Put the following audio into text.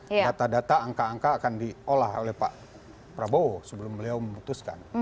data data angka angka akan diolah oleh pak prabowo sebelum beliau memutuskan